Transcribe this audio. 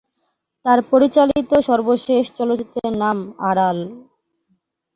তার পরিচালিত সর্বশেষ চলচ্চিত্রের নাম "আড়াল"।